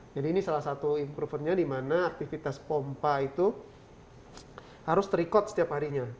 jadi ini salah satu improvementnya di mana aktivitas pompa itu harus terikot setiap harinya